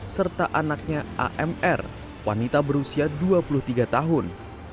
serta anaknya amr wanita berusia dua puluh tiga tahun